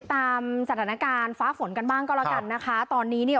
ตามสถานการณ์ฟ้าฝนกันบ้างก็แล้วกันนะคะตอนนี้เนี่ย